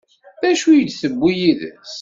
D acu i d-tewwi yid-s?